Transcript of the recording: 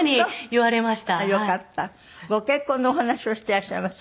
ご結婚のお話をしていらっしゃいます。